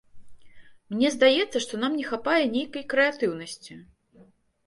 Мне здаецца, што нам не хапае нейкай крэатыўнасці.